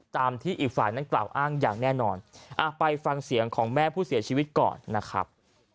ตามที่อีกฝ่ายนั้นกล่าวอ้างอย่างแน่นอนไปฟังเสียงของแม่ผู้เสียชีวิตก่อนนะครับ